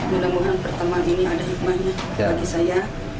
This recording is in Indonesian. menemukan pertemanan ini ada hikmahnya bagi saya